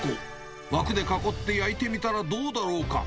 枠で囲って焼いてみたらどうだろうか。